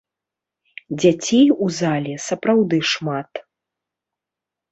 Дзяцей у зале сапраўды шмат.